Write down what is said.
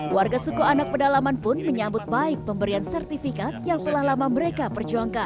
warga suku anak pedalaman pun menyambut baik pemberian sertifikat yang telah lama mereka perjuangkan